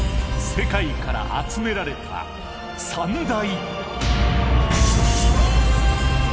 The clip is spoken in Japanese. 世界から集められた三大。